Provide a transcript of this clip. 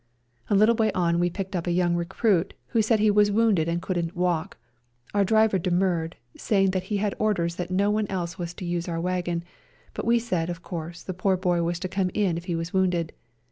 A little way on we picked up a young recruit who said he was wounded and couldn't walk ; our driver demurred, saying that he had had orders that no one else was to use our wagon, but we said, of course, the poor boy was to come in if he was wounded.